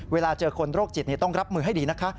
เวลาเจอคนโรคจิตต้องรับมือให้ดีนะคะ